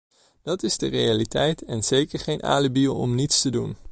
Dat is de realiteit en zeker geen alibi om niets te doen.